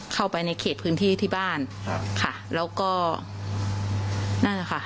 เข้าไปในเขตพื้นที่ที่บ้านค่ะแล้วก็น่าจะค่ะ